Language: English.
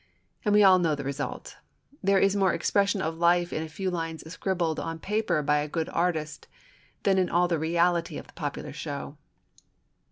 And we all know the result. There is more expression of life in a few lines scribbled on paper by a good artist than in all the reality of the popular show.